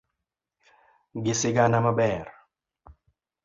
gi sigana maber